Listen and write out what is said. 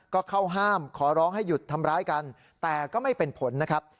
ก็เข้าห้ามขอร้องให้หยุดทำร้ายกันแต่ก็ไม่เป็นผลนะครับ